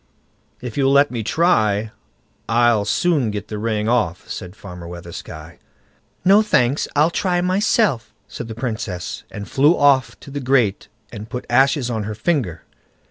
"If you'll let me try, I'll soon get the ring off", said Farmer Weathersky. "No, thanks, I'll try myself", said the Princess, and flew off to the grate and put ashes on her finger.